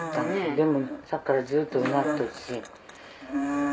でもさっきからずっと唸っとるし。